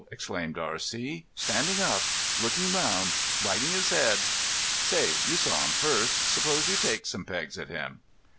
exclaimed R.C. "Standing up! Looking around! Wagging his head!... Say, you saw him first. Suppose you take some pegs at him."